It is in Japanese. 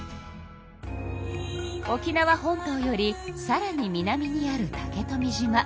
沖縄本島よりさらに南にある竹富島。